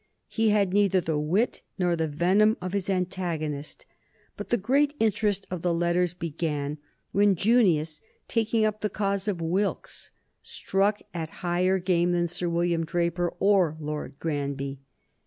He had neither the wit nor the venom of his antagonist. But the great interest of the letters began when Junius, taking up the cause of Wilkes, struck at higher game than Sir William Draper or Lord Granby.